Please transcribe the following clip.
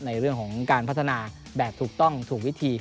ในเรื่องของการพัฒนาแบบถูกต้องถูกวิธี